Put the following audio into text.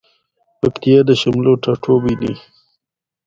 پکتيا د شملو ټاټوبی ده